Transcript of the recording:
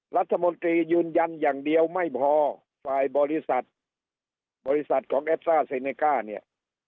รัฐมนตรียืนยันอย่างเดียวไม่พอฝ่ายบริษัทบริษัทของเอสซ่าเซเนก้าเนี่ย